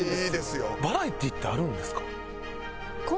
バラエティーってあるんですか？